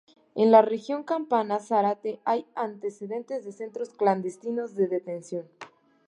En la región Campana-Zárate hay antecedentes de centros clandestinos de detención.